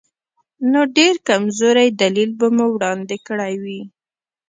نو ډېر کمزوری دلیل به مو وړاندې کړی وي.